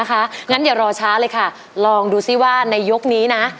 งั้นอย่ารอช้าเลยค่ะลองดูซิว่าในยกนี้นะ